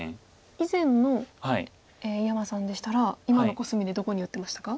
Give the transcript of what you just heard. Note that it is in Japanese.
以前の井山さんでしたら今のコスミでどこに打ってましたか？